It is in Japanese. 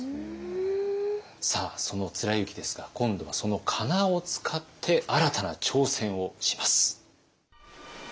さあその貫之ですが今度はそのかなを使って新たな挑戦をします。